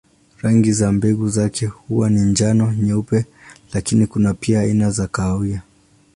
Rangi ya mbegu zake huwa ni njano, nyeupe lakini kuna pia aina za kahawia.